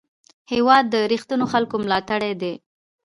هېواد د رښتینو خلکو ملاتړی دی.